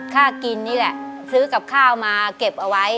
ค่ากินนี่แหละซื้อกับข้าวมาเก็บเอาไว้